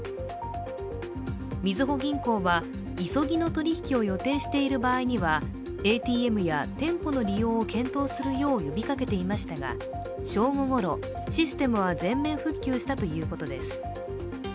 みずほ銀行は、急ぎの取引を予定している場合にはＡＴＭや店舗の利用を検討するよう呼びかけていましたが正午ごろ、システムは全面復旧したということです。